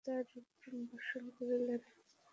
তাহার তপস্যার উপর যেন সহসা দেবতারা অমৃত বর্ষণ করিলেন।